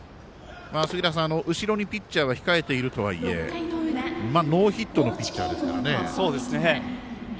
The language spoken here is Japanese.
後ろにピッチャーは控えているとはいえノーヒットのピッチャーです。